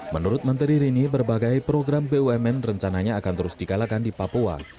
menurut menteri rini berbagai program bumn rencananya akan terus dikalakan di papua